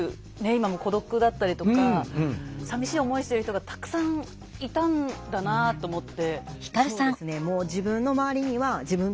今も孤独だったりとかさみしい思いしてる人がたくさんいたんだなと思って。